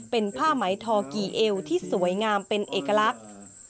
เป็นผ้าไหมทอกี่เอวที่สวยงามเป็นเอกลักษณ์